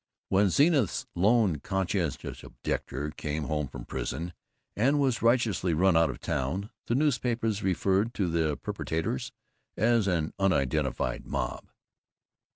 When Zenith's lone Conscientious Objector came home from prison and was righteously run out of town, the newspapers referred to the perpetrators as an "unidentified mob."